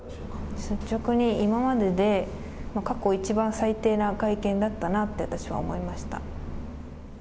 率直に、今までで過去一番最低な会見だったなって、私は思いました。